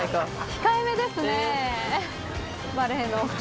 控えめですねバレーのお二人。